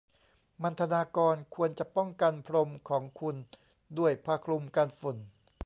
มัณฑนากรควรจะป้องกันพรมของคุณด้วยผ้าคลุมกันฝุ่น